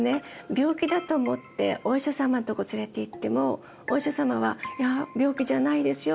病気だと思ってお医者様のとこ連れていってもお医者様は「いや病気じゃないですよ。